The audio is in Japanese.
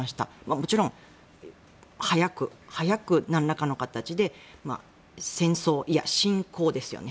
もちろん早くなんらかの形で戦争いや、侵攻ですよね